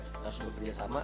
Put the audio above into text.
harus bekerja sama